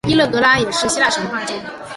佛勒格拉也是希腊神话中。